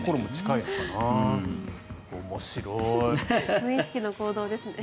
無意識の行動ですね。